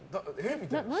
みたいな。